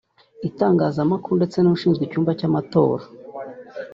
itangazamakuru ndetse n’ushinzwe icyumba cy’amatora